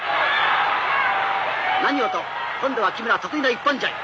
何をと今度は木村得意の一本背負い。